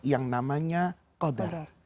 yang namanya qadar